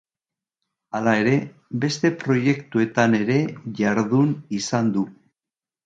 Hala ere, beste proiektuetan ere jardun izan du.